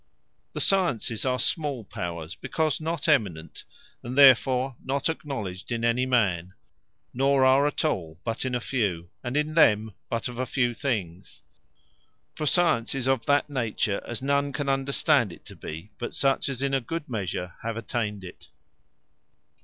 The Sciences, are small Power; because not eminent; and therefore, not acknowledged in any man; nor are at all, but in a few; and in them, but of a few things. For Science is of that nature, as none can understand it to be, but such as in a good measure have attayned it.